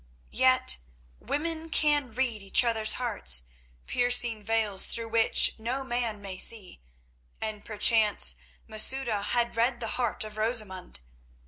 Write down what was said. Yet women can read each other's hearts, piercing veils through which no man may see, and perchance Masouda had read the heart of Rosamund.